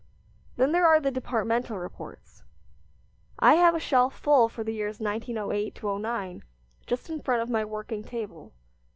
Then there are the departmental reports; I have a shelf full for the years 1908 09, just in front of my working table.